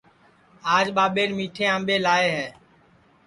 آج ٻاٻین میٹھے امٻے لاے ہے